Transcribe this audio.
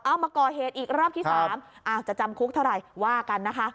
เอามาก่อเหตุอีกรอบที่๓จะจำคุกเท่าไหร่ว่ากันนะคะ